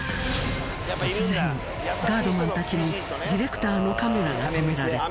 突然ガードマンたちにディレクターのカメラが止められた。